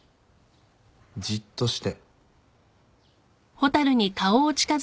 じっとして。